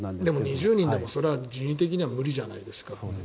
２０人でも人員的には無理じゃないですか。